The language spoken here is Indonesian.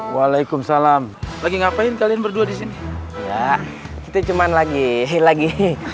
waalaikumsalam lagi ngapain kalian berdua di sini kita cuman lagi lagi